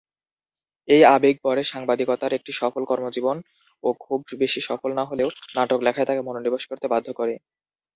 এই আবেগ পরে সাংবাদিকতার একটি সফল কর্মজীবন ও খুব বেশি সফল না হলেও নাটক লেখায় তাকে মনোনিবেশ করতে বাধ্য করে।